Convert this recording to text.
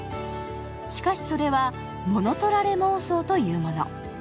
しかしそれは、ものとられ妄想というもの。